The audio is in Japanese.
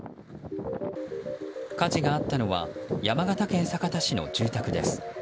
火事があったのは山形県酒田市の住宅です。